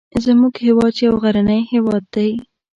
زموږ هیواد چې یو غرنی هیواد دی